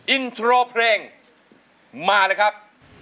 อินโทรเพลงมาเลยครับ